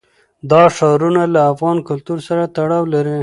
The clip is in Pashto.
دا ښارونه له افغان کلتور سره تړاو لري.